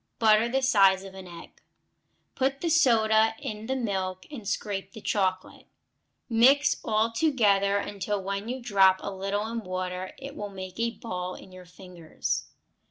Butter the size of an egg. Put the soda in the milk and scrape the chocolate. Mix all together until when you drop a little in water it will make a ball in your fingers.